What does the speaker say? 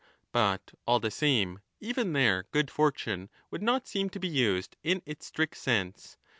But all the same even there good fortune would not seem to be used in its strict sense.